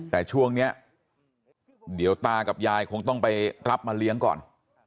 แต่ช่วงนี้เดี๋ยวตากับยายคงต้องไปรับมาเลี้ยงก่อน